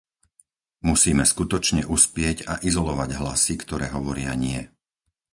Musíme skutočne uspieť a izolovať hlasy, ktoré hovoria nie.